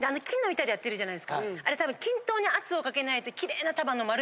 あれたぶん。